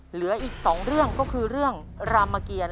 เหลืออีก๒เรื่องก็คือเรื่องรามเกียร